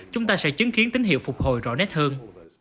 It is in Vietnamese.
chúng ta sẽ chứng kiến tín hiệu phục hồi rõ nét hơn